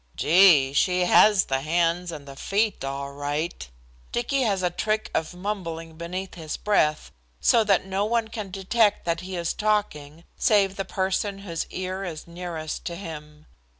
"Gee, she has the hands and the feet all right!" Dicky has a trick of mumbling beneath his breath, so that no one can detect that he is talking save the person whose ear is nearest to him.